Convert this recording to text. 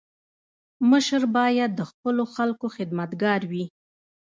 مشر باید د خپلو خلکو خدمتګار وي.